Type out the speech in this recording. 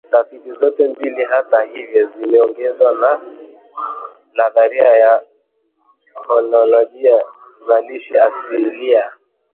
Tafiti zote mbili hata hivyo zimeongozwa na nadharia ya Fonolojia Zalishi Asilia